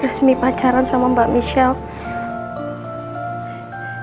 resmi pacaran sama mbak michelle